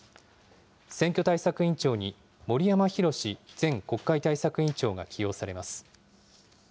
選挙対策委員長に森山裕前国会対策委員長が起用されます。